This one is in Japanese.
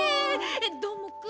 どーもくん。